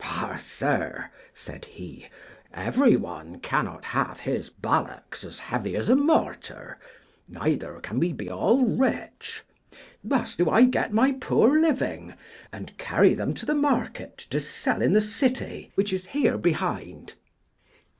Ha, sir, said he, everyone cannot have his ballocks as heavy as a mortar, neither can we be all rich. Thus do I get my poor living, and carry them to the market to sell in the city which is here behind.